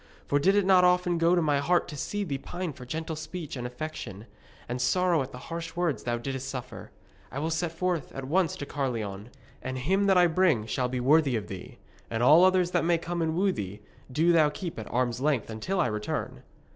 For did it not often go to my heart to see thee pine for gentle speech and affection, and sorrow at the harsh words thou didst suffer? I will set forth at once to Caerleon, and him that I bring shall be worthy of thee. And all others that may come and woo thee, do thou keep at arm's length until I return.'